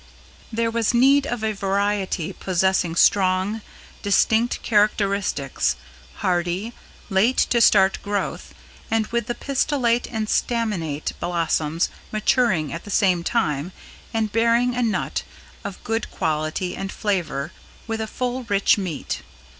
There was need of a variety possessing strong, distinct characteristics, hardy, late to start growth, and with the pistillate and staminate blossoms maturing at the same time and bearing a nut of good quality and flavor with a full rich meat.